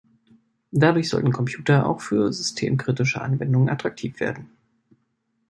Dadurch sollten Computer auch für systemkritische Anwendungen attraktiv werden.